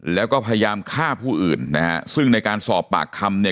แล้วก็พยายามฆ่าผู้อื่นนะฮะซึ่งในการสอบปากคำเนี่ย